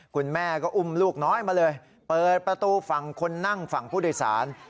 คุณแม่ก็อุ้มลูกน้อยมาเลยเปิดประตูฝั่งคนนั่งฝั่งผู้โดยสาร